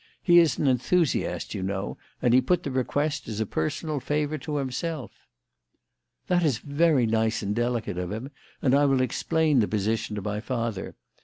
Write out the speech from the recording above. He is an enthusiast, you know, and he put the request as a personal favour to himself." "That is very nice and delicate of him, and I will explain the position to my father.